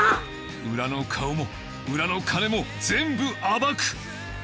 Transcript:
裏の顔も裏の金も全部暴く！